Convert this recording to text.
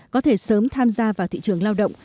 có thể sớm tham gia vào thị trường lao động